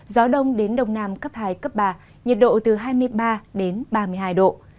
gió đông đến đông nam cấp hai cấp ba nhiệt độ từ hai mươi ba đến ba mươi hai độ